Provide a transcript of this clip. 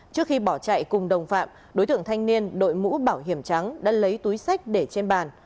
trước khi bỏ chạy cùng đồng phạm đối tượng thanh niên đội mũ bảo hiểm trắng đã lấy túi sách để trên bàn